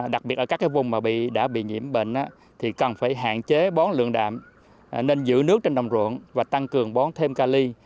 đặc biệt ở các vùng đã bị nhiễm bệnh cần hạn chế bón lượng đạm nên giữ nước trên nồng ruộng và tăng cường bón thêm ca ly